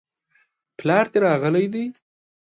پلار دي راغلی دی؟